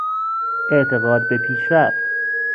اعتقاد به پیشرفت